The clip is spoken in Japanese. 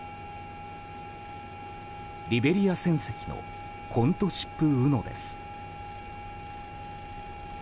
リベリア船籍の「コントシップウノ」です。